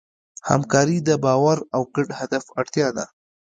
همکاري د باور او ګډ هدف اړتیا ده.